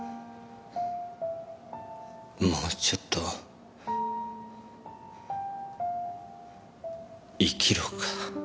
もうちょっと生きろか。